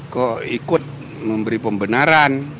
kok ikut memberi pembenaran